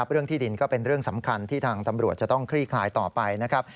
เรื่องที่ดินก็เป็นเรื่องสำคัญที่ทางตำรวจจะต้องคลี่คลายต่อไปนะครับ